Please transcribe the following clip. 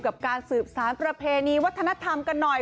กับการสืบสารประเพณีวัฒนธรรมกันหน่อย